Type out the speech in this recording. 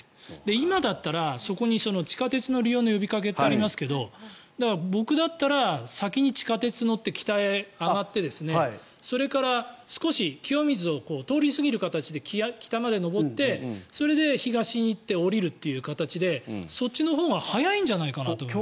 今だったら、地下鉄の利用の呼びかけってありますけど僕だったら先に地下鉄に乗って北へ上がってそれから少し、清水を通り過ぎる形で北まで上って、それで東に行って下りるという形でそっちのほうが早いんじゃないかなと思います。